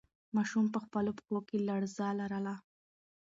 ماشوم په خپلو پښو کې لړزه لرله.